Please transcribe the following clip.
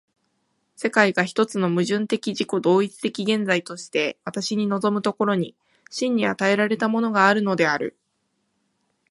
世界が一つの矛盾的自己同一的現在として私に臨む所に、真に与えられたものがあるのである。